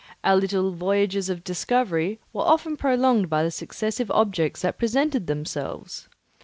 Our little voyages of discovery were often prolonged by the successive objects that presented themselves.